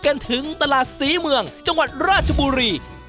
ถึงตลาดศรีเมืองจังหวัดราชบุรี